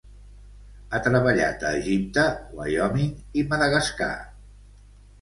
Ha treballat a Egipte, Wyoming, i Madagascar.